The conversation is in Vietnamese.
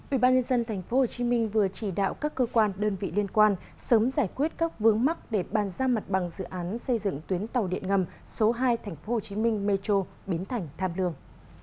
ubnd tp hcm vừa chỉ đạo các cơ quan đơn vị liên quan sớm giải quyết các vướng mắc để bàn ra mặt bằng dự án xây dựng tuyến tàu điện ngầm số hai tp hcm metro biến thành tham lương